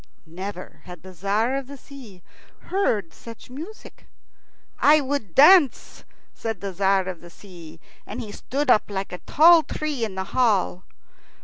Never had the Tzar of the Sea heard such music. "I would dance," said the Tzar of the Sea, and he stood up like a tall tree in the hall.